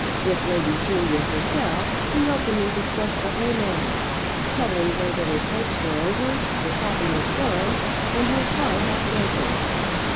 With Lady Julia herself he openly discussed the whole matter, telling her that his hopes were over, his happiness gone, and his heart half broken.